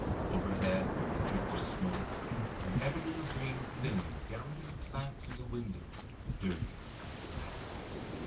Overhead a drift of smoke, and every little green thing down to the plants in the window dirty and black.